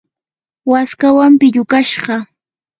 waskawan pillukashqa.